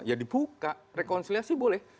ya dibuka rekonsiliasi boleh